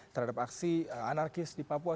terhadap aksi anarkis di papua